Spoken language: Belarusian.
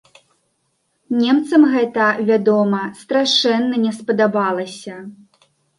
Немцам гэта, вядома, страшэнна не спадабалася.